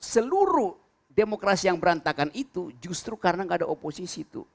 seluruh demokrasi yang berantakan itu justru karena gak ada oposisi tuh